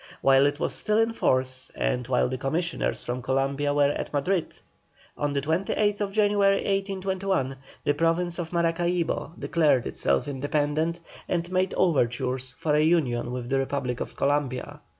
While it was still in force, and while the commissioners from Columbia were at Madrid, on the 28th January, 1821, the Province of Maracaibo declared itself independent, and made overtures for a union with the Republic of Columbia.